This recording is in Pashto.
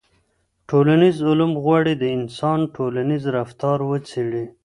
ټولنیز علوم غواړي د انسان ټولنیز رفتار وڅېړي.